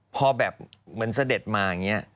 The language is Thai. พอแบบเหมือนเสด็จมาอย่างนี้